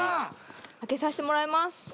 開けさせてもらいます。